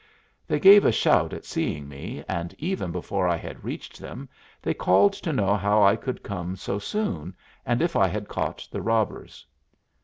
They gave a shout at seeing me, and even before I had reached them they called to know how I could come so soon, and if I had caught the robbers.